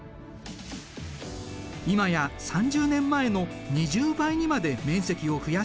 今や３０年前の２０倍にまで面積を増やしている。